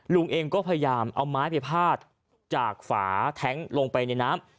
ลุงเองก็พยายามเอาไม้ไปพาดจากฝาแท้งลงไปในน้ำ